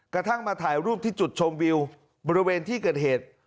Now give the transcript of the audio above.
กระทั่งมาถ่ายรูปที่จุดชมวิวบริเวณที่เกิดเหตุ